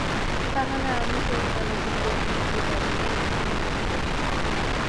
তাহলে আমি তোর কলেজের বেতন কিভাবে দেব, হ্যাঁ?